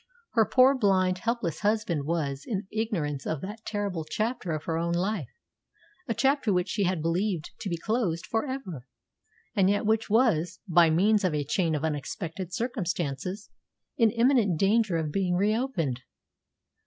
Her poor, blind, helpless husband was in ignorance of that terrible chapter of her own life a chapter which she had believed to be closed for ever, and yet which was, by means of a chain of unexpected circumstances, in imminent danger of being reopened.